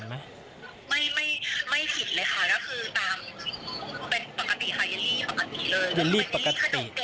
ไม่ไม่ผิดเลยค่ะก็คือตามเป็นปกติค่ะเยลลี่ปกติเลย